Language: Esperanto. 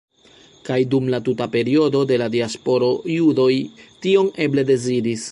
Kaj dum la tuta periodo de la Diasporo judoj tion eble deziris.